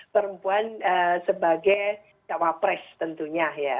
perempuan sebagai cawapres tentunya ya